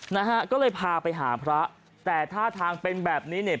นะฮะก็เลยพาไปหาพระแต่ท่าทางเป็นแบบนี้เนี่ย